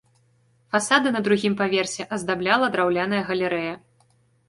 Фасады на другім паверсе аздабляла драўляная галерэя.